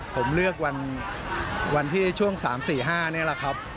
ผมเลือกวันที่ช่วง๓๔๕นี่แหละครับ